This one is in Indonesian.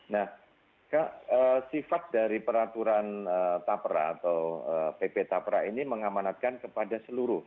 nah sifat dari peraturan tapra atau pp tapra ini mengamanatkan kepada seluruh